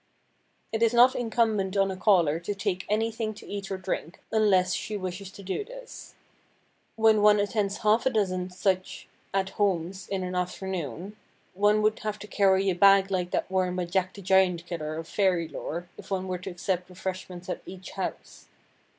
It is not incumbent on a caller to take anything to eat or drink unless she wishes to do this. When one attends half a dozen such "At Homes" in an afternoon one would have to carry a bag like that worn by Jack the Giant Killer of fairy lore, if one were to accept refreshments at each house.